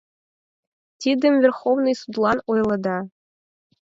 — Тидым Верховный судлан ойледа.